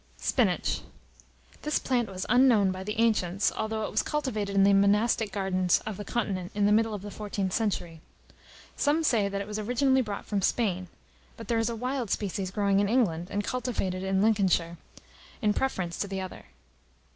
] SPINACH. This plant was unknown by the ancients, although it was cultivated in the monastic gardens of the continent in the middle of the 14th century. Some say, that it was originally brought from Spain; but there is a wild species growing in England, and cultivated in Lincolnshire, in preference to the other.